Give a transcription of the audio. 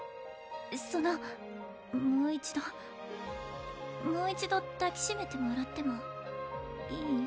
そのもう一度もう一度抱きしめてもらってもいい？